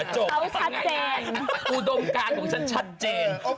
จะเข้าแต่คนหนึ่ง